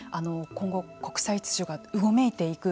今後国際秩序がうごめいていく。